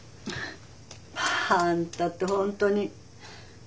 あんたって本当に。